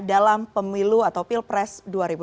dalam pemilu atau pilpres dua ribu dua puluh